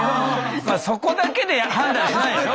そこだけで判断しないでしょ。